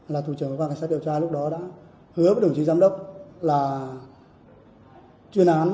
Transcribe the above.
là thủ trưởng của văn cảnh sát điều tra lúc đó đã hứa với đồng chí giám đốc là truyền án